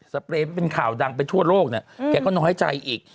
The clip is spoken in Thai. เปรย์ที่เป็นข่าวดังไปทั่วโลกเนี่ยแกก็น้อยใจอีก